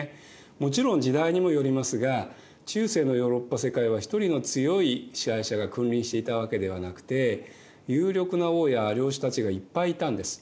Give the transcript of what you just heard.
もちろん時代にもよりますが中世のヨーロッパ世界は一人の強い支配者が君臨していたわけではなくて有力な王や領主たちがいっぱいいたんです。